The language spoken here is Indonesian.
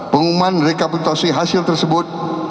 pengumuman rekapitulasi hasil tersebut